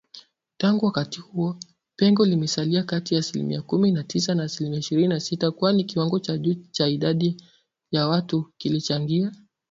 Tangu wakati huo, pengo limesalia kati ya asilimia kumi na tisa na asilimia ishirini na sita, kwani kiwango cha juu cha idadi ya watu kilichangia